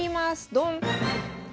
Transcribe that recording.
ドン！